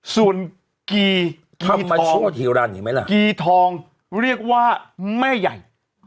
ส่วนกีทองเรียกว่าแม่ใหญ่